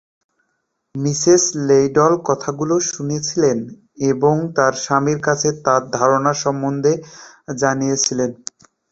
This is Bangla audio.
মিসেস লেইডল কথাগুলো শুনেছিলেন এবং তার স্বামীর কাছে তার ধারণা সম্বন্ধে জানিয়েছিলেন।